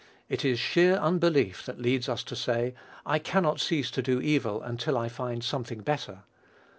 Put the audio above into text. It is sheer unbelief that leads us to say, "I cannot cease to do evil until I find something better."